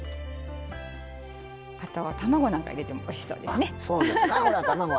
あとは、卵なんか入れてもおいしそうですね。